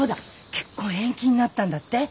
結婚延期になったんだって？